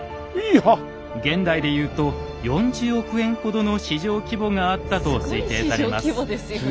現代で言うと４０億円ほどの市場規模があったと推定されます。